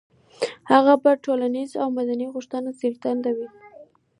هغه به د ټولنيزو او مدني غوښتنو زېږنده وي.